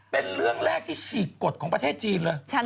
เป็นเรื่องแรกที่ฉีกกฎของประเทศจีนเลย